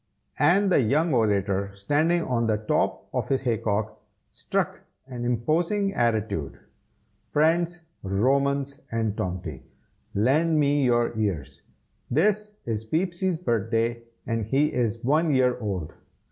and the young orator, standing on the top of his hay cock, struck an imposing attitude. "Friends, Romans, and Tomty, lend me your ears! this is Peepsy's birthday, and he is one year old.